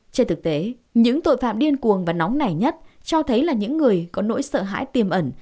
trên thực tế những tội phạm điên cuồng và nóng nảy nhất cho thấy là những người có nỗi sợ hãi tiềm ẩn